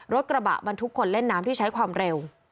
รถบรรทุกคนเล่นน้ำที่ใช้ความเร็ว